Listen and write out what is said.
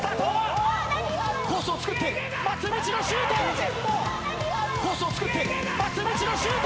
何今の？コースをつくって松道のシュート。コースをつくって松道のシュート。